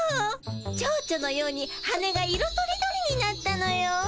蝶々のように羽が色とりどりになったのよ。